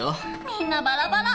みんなバラバラ。